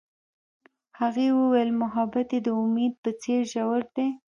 هغې وویل محبت یې د امید په څېر ژور دی.